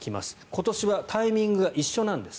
今年はタイミングが一緒なんです。